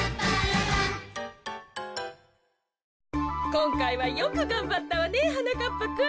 こんかいはよくがんばったわねはなかっぱくん。